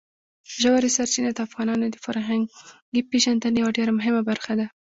ژورې سرچینې د افغانانو د فرهنګي پیژندنې یوه ډېره مهمه برخه ده.